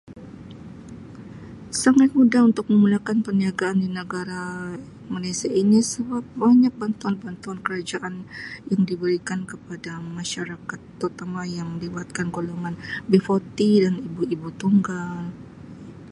Sangat mudah untuk memulakan perniagaan di negara Malaysia ini sebab banyak bantuan bantuan kerajaan yang diberikan kepada masyarakat terutama yang dibuatkan golongan B40 dan ibu ibu tunggal